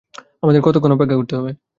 আমাদের কতক্ষণ অপেক্ষা করতে হবে?